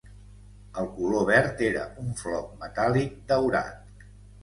El color verd era un floc metàl·lic daurat.